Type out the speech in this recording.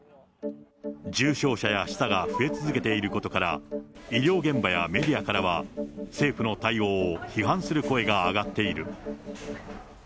重症者や死者が増え続けていることから、医療現場やメディアからは、政府の対応を批判する声が上がっている。